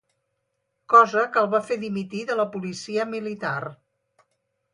Cosa que el va fer dimitir de la policia militar.